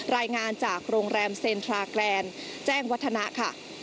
รายงานจากโรงแรมเซ็นทราแกรนแจ้งวัฒนะค่ะ